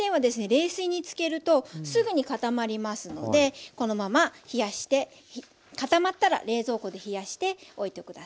冷水につけるとすぐに固まりますのでこのまま冷やして固まったら冷蔵庫で冷やしておいて下さい。